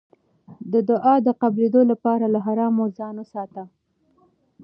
د دعا د قبلېدو لپاره له حرامو ځان وساته.